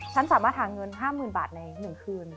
ฉันสามารถหาเงิน๕๐๐๐บาทใน๑คืน